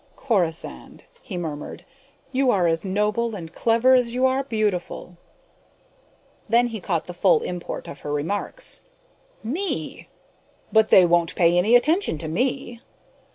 "Corisande," he murmured, "you are as noble and clever as you are beautiful." Then he caught the full import of her remarks. "Me! But they won't pay any attention to me!"